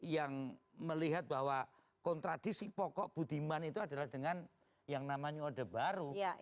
yang melihat bahwa kontradisi pokok budiman itu adalah dengan yang namanya odeh baru